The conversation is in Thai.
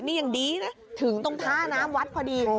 นี่ยังดีนะถึงตรงท่าน้ำวัดพอดี